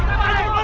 apa ada apa